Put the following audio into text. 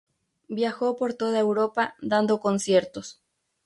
Viajó por toda Europa dando conciertos.